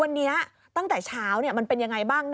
วันนี้ตั้งแต่เช้ามันเป็นยังไงบ้าง